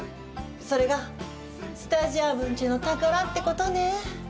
それがスタジアムンチュの宝ってことね。